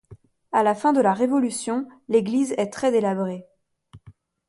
À la fin de la Révolution, l'église est très délabrée.